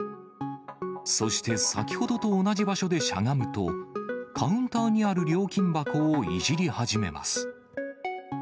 そして先ほどと同じ場所でしゃがむと、カウンターにある料金箱をいじり始めます。